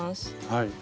はい。